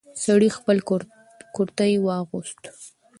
سړی خپل کورتۍ واغوست.